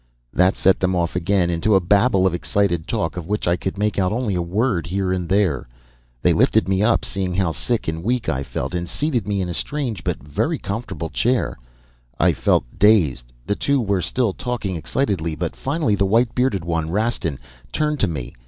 "That set them off again into a babble of excited talk, of which I could make out only a word here and there. They lifted me up, seeing how sick and weak I felt, and seated me in a strange, but very comfortable chair. I felt dazed. The two were still talking excitedly, but finally the white bearded one, Rastin, turned to me.